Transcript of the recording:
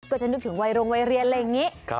จะนึกถึงวัยโรงวัยเรียนอะไรอย่างนี้